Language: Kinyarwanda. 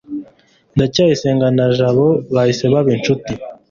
ndacyayisenga na jabo bahise baba inshuti